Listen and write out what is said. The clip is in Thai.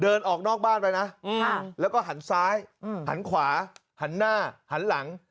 เดินออกนอกบ้านไปนะแล้วก็หันซ้ายหันขวาหันหน้าหันหลัง